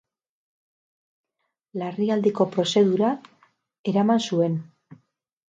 Larrialdiko prozedura eraman zuen.